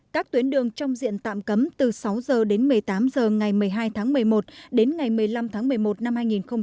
các tuyến đường trong diện tạm cấm từ sáu h đến một mươi tám h ngày một mươi hai tháng một mươi một đến ngày một mươi năm tháng một mươi một năm hai nghìn một mươi chín